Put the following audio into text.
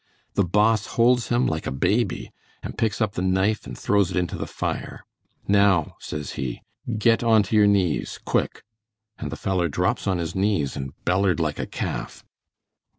The Boss holds him like a baby, and picks up the knife and throws it into the fire. 'Now,' says he, 'get onto your knees. Quick!' And the feller drops on his knees, and bellered like a calf.